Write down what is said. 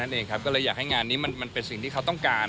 วีรีชุดคะโอ้โห